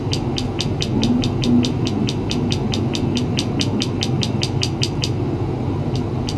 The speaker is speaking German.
Urnenfunde belegen eine Besiedlung der Gemarkung bereits zur Bronzezeit.